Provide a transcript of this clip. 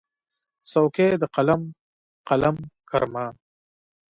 څوکې د قلم، قلم کرمه